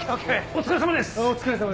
お疲れさまです。